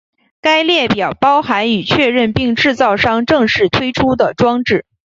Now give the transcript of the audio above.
该列表包含已确认并制造商正式推出的装置。